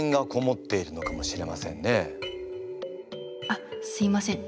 あっすいません。